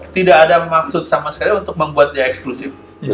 tidak ada maksud sama sekali untuk membuat dia eksklusif